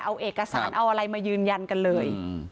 เอาเอกสารเอาอะไรมายืนยันกันเลย